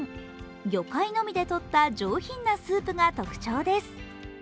魚介のみでとった上品なスープが特徴です。